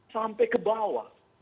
sampai ke bawah